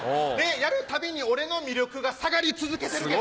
やるたびに俺の魅力が下がり続けてるけど。